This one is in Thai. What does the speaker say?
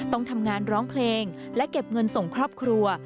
ต้องทำงานร้องเพลงและเก็บเงินส่งครอบครัว